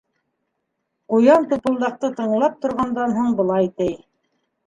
Ҡуян, Тупылдыҡты тыңлап торғандан һуң, былай ти: